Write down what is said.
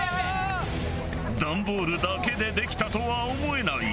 ダンボールだけでできたとは思えない！